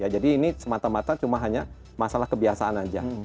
jadi ini semata mata cuma hanya masalah kebiasaan saja